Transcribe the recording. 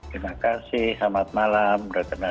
terima kasih selamat malam